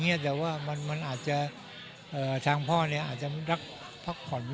ส่วนใหญ่ก็เหมือนประกัติแต่ช่างพ่ออาจจะไม่อาจรักพักผ่อน